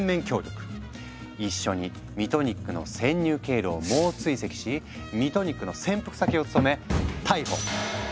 一緒にミトニックの潜入経路を猛追跡しミトニックの潜伏先を突き止め逮捕！